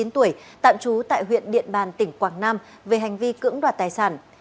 chín tuổi tạm trú tại huyện điện bàn tỉnh quảng nam về hành vi cưỡng đoạt tài sản